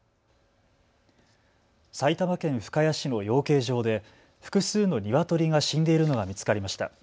埼玉県深谷市の養鶏場で複数のニワトリが死んでいるのが見つかりました。